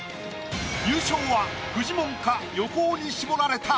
優勝はフジモンか横尾に絞られた。